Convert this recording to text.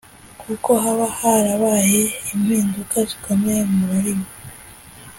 kuko haba harabaye impinduka zikomeye mu rurimi.